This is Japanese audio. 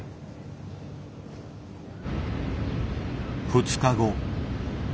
２日後。